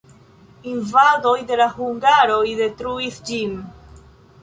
Invadoj de la hungaroj detruis ĝin.